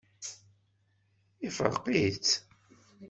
Ifṛeq-itt.